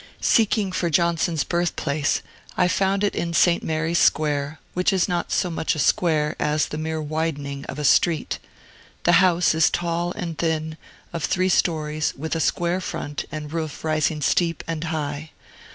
Seeking for Johnson's birthplace, I found it in St. Mary's Square, which is not so much a square as the mere widening of a street. The house is tall and thin, of three stories, with a square front and a roof rising steep and high.